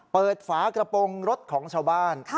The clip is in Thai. ฝากระโปรงรถของชาวบ้าน